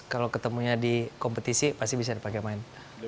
kalau ketemunya di kompetisi pasti bisa dipakai main